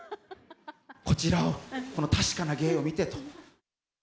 こちらを、この確かな芸を見てと。